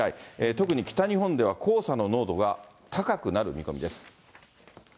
特に北日本では黄砂の濃度が高くなる見込みです。